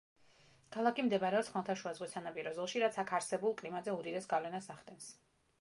ქალაქი მდებარეობს ხმელთაშუა ზღვის სანაპირო ზოლში, რაც აქ არსებულ კლიმატზე უდიდეს გავლენას ახდენს.